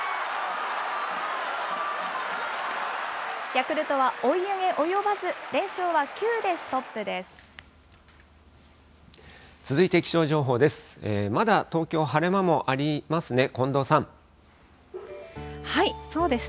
ヤクルトは追い上げ及ばず、連勝は９でストップです。